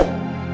aku mau pergi